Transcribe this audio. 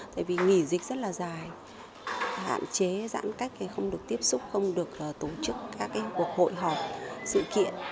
tại vì nghỉ dịch rất là dài hạn chế giãn cách không được tiếp xúc không được tổ chức các cuộc hội họp sự kiện